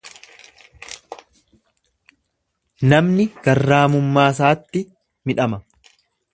Namni garraamummaasaatti midhama.